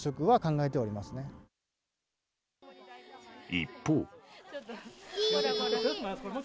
一方。